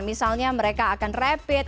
misalnya mereka akan repit